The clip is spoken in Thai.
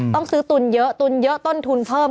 ต้องซื้อตุนเยอะตุนเยอะต้นทุนเพิ่ม